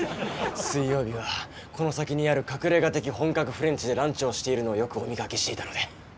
水曜日はこの先にある隠れ家的本格フレンチでランチをしているのをよくお見かけしていたので。